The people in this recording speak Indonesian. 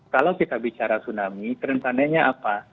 kalau kita bicara tsunami kerentanannya apa